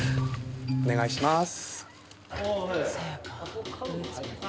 お願いします。